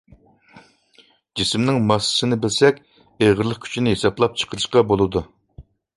جىسىمنىڭ ماسسىسىنى بىلسەك ئېغىرلىق كۈچىنى ھېسابلاپ چىقىرىشقا بولىدۇ.